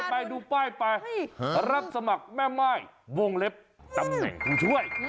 ไปดูป้ายไปรับสมัครแม่ม่ายวงเล็บตำแหน่งผู้ช่วย